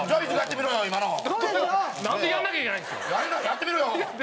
やってみろよ！